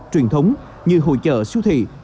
truyền thống như hội chợ siêu thị